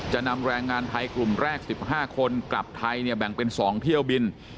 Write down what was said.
นำแรงงานไทยกลุ่มแรก๑๕คนกลับไทยเนี่ยแบ่งเป็น๒เที่ยวบิน